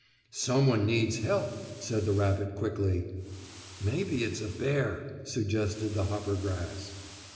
"Some one needs help," said the rabbit quickly. "Maybe it's a bear," suggested the hoppergrass.